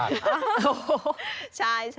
ชงให้เพื่อนฝ้าโอ้โฮใช่